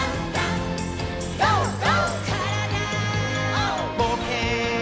「からだぼうけん」